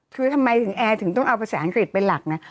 คือทำไมถึงแอร์ถึงต้องเอาภาษาอังกฤษเป็นหลักนะ